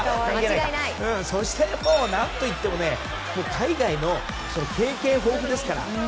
そして、何といっても海外の経験豊富ですから。